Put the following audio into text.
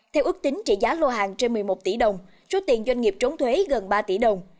theo ước tính trị giá lô hàng trên một mươi một tỷ đồng số tiền doanh nghiệp trốn thuế gần ba tỷ đồng